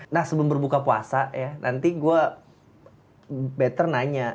nah sebelum berbuka puasa ya nanti gue better nanya